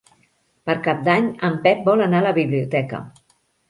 Per Cap d'Any en Pep vol anar a la biblioteca.